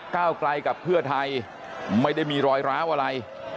ก้าวไกลกับเพื่อไทยไม่ได้มีรอยร้าวอะไร